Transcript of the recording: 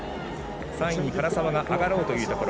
３位に唐澤が上がろうというところ。